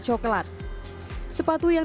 coklat sepatu yang